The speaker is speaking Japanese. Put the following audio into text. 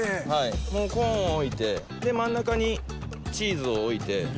もうコーンを置いてで真ん中にチーズを置いて。